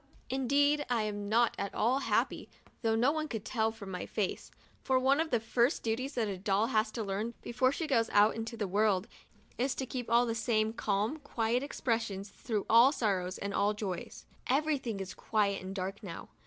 Indeed, I'm not at all happy — though no one could tell it from my face — for one of the first duties that a doll has to learn, before she goes out into the world, is to keep the same calm, quiet expression through all sorrows and all joys. Everything is very quiet and dark now.